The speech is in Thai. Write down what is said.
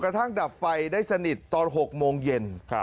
ดับไฟได้สนิทตอน๖โมงเย็น